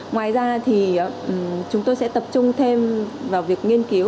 ngoài ra thì chúng tôi sẽ tập trung thêm vào việc nghiên cứu